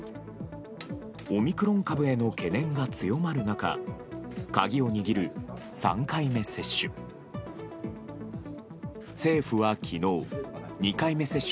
オミクロン株への懸念が強まる中鍵を握る３回目接種。